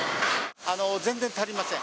全然足りません。